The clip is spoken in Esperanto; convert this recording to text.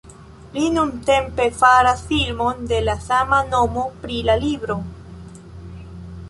Li nuntempe faras filmon de la sama nomo pri la libro.